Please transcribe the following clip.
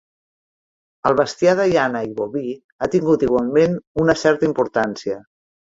El bestiar de llana i boví ha tingut, igualment, una certa importància.